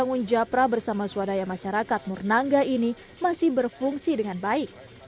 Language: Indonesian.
namun japra bersama swadaya masyarakat murnangga ini masih berfungsi dengan baik